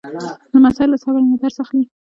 لمسی له صبر نه درس اخلي.